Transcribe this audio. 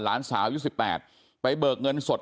หลานสาวยุค๑๘ไปเบิกเงินสด